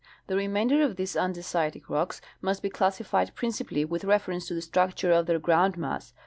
The remainder of these andesitic rocks must be classified principally with reference to the structure of their groundmass.